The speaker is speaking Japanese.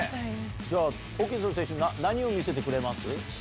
じゃあ、ホーキンソン選手、何を見せてくれます？